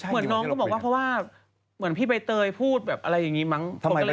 เหมือนพี่ใบเตยพูดแบบอะไรอย่างงี้มั้ง